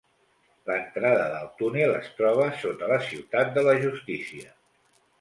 L'entrada del túnel es troba sota la Ciutat de la Justícia.